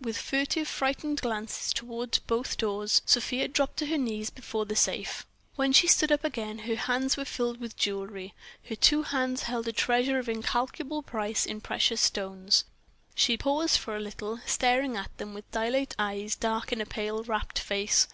With furtive, frightened glances toward both doors, Sofia dropped to her knees before the safe.... When she stood up again her hands were filled with jewellery, her two hands held a treasure of incalculable price in precious stones. She paused for a little, staring at them with dilate eyes dark in a pale, rapt face.